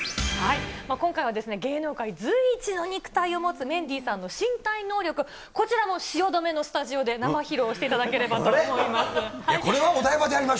今回は芸能界随一の肉体を持つメンディーさんの身体能力、こちらも汐留のスタジオで生披露していただければと思います。